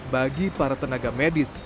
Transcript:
bagi para tenaga medis